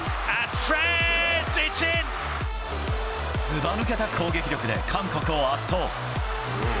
ずば抜けた攻撃力で韓国を圧倒。